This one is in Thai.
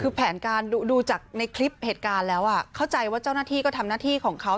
คือแผนการดูจากในคลิปเหตุการณ์แล้วเข้าใจว่าเจ้าหน้าที่ก็ทำหน้าที่ของเขา